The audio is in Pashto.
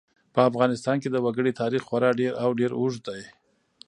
په افغانستان کې د وګړي تاریخ خورا ډېر او ډېر اوږد دی.